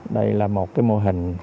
đây là một mô hình